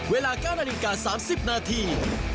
เวลา๙นาฬิกา๓๐นาที